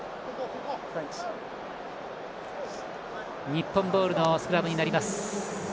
日本ボールのスクラムになります。